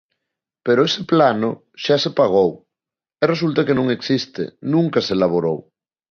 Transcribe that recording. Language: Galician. Pero ese plano xa se pagou, e resulta que non existe, nunca se elaborou.